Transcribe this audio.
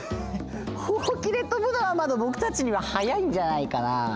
ほうきでとぶのはまだぼくたちには早いんじゃないかなあ。